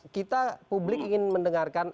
kita publik ingin mendengarkan